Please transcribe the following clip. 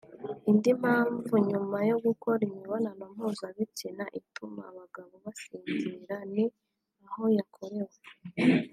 Indi mpamvu nyuma yo gukora imibonano mpuzabitsina ituma abagabo basinzira ni aho yakorewe